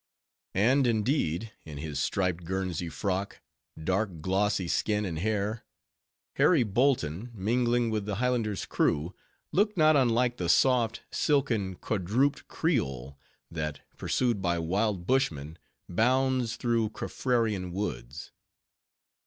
And indeed, in his striped Guernsey frock, dark glossy skin and hair, Harry Bolton, mingling with the Highlander's crew, looked not unlike the soft, silken quadruped creole, that, pursued by wild Bushmen, bounds through Caffrarian woods.